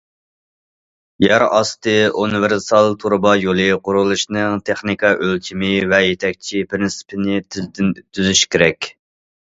يەر ئاستى ئۇنىۋېرسال تۇرۇبا يولى قۇرۇلۇشىنىڭ تېخنىكا ئۆلچىمى ۋە يېتەكچى پىرىنسىپىنى تېزدىن تۈزۈش كېرەك.